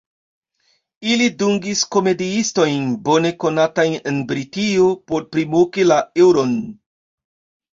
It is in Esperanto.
Ili dungis komediistojn, bone konatajn en Britio, por primoki la eŭron.